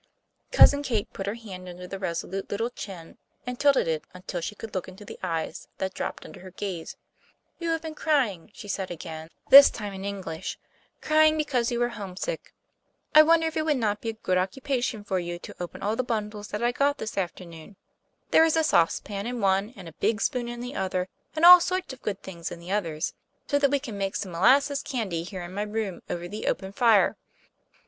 Cousin Kate put her hand under the resolute little chin, and tilted it until she could look into the eyes that dropped under her gaze "You have been crying," she said again, this time in English, "crying because you are homesick. I wonder if it would not be a good occupation for you to open all the bundles that I got this afternoon. There is a saucepan in one, and a big spoon in the other, and all sorts of good things in the others, so that we can make some molasses candy here in my room, over the open fire.